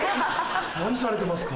何されてますか？